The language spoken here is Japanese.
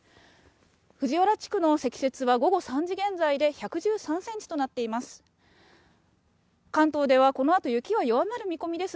藤原地区の積雪は午後３時現在で１１３センチとなっています。